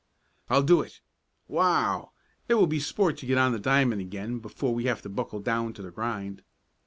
"I'll do it! Wow! It will be sport to get on the diamond again before we have to buckle down to the grind."